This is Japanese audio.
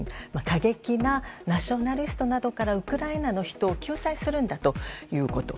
過激なナショナリストなどからウクライナの人を救済するんだということ。